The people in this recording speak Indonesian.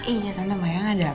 iya tante maya nggak ada apa